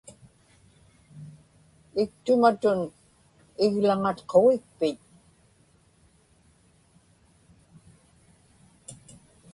iktumatun iglaŋatqugikpiñ